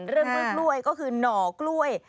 เรื่องหัวดร่วยก็คือหนอกล้วย